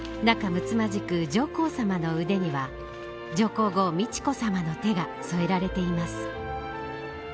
仲むつまじく上皇さまの腕には上皇后美智子さまの手が添えられています。